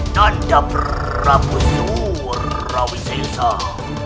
dan dafrah pusur rawis esah